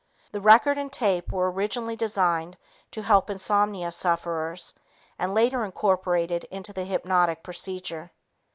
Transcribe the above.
The record and tape were originally designed to help insomnia sufferers and later incorporated into the hypnotic procedure.